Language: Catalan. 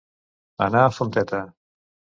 Anar a Fonteta.